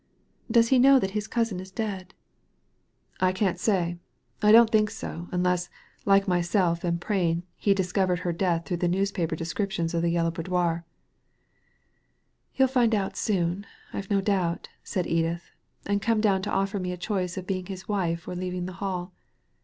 Does he know that his cousin is dead ?"" I can't say. I don't think so ; unless, like myself Digitized by Googlg 104 THE LADY FROM NOWHERE and Prain, he discovered her death through the news paper descriptions of the Yellow Boudoir/' " Hell find out soon, I've no doubt, said Edith, ''and come down to offer me a choice of being his wife or leaving the Hall.